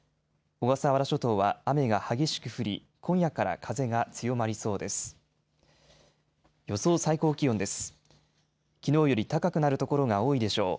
小笠原諸島は雨が激しく降り、今夜から風が強まりそうです。